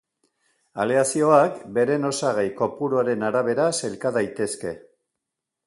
Aleazioak beren osagai-kopuruaren arabera sailka daitezke.